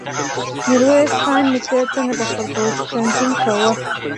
ميرويس خان نيکه څنګه د خپل پوځ تنظيم کاوه؟